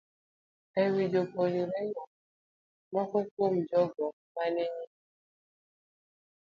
E wi japuonjreno, moko kuom jogo ma ne nigi luoro ni